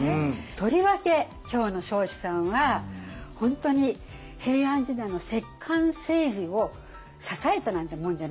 とりわけ今日の彰子さんは本当に平安時代の摂関政治を支えたなんてもんじゃない。